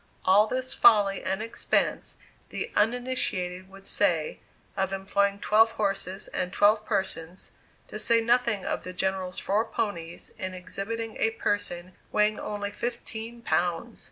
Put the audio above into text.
All this folly and expense, the uninitiated would say, of employing twelve horses and twelve persons, to say nothing of the General's four ponies, in exhibiting a person weighing only fifteen pounds!